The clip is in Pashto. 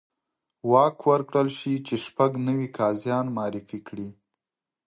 واک ورکړل شي چې شپږ نوي قاضیان معرفي کړي.